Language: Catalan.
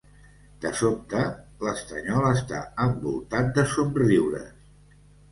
De sobte, l'estanyol està envoltat de somriures.